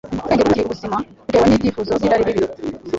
’ubwenge butakiri buzima bitewe n’ibyifuzo by’irari ribi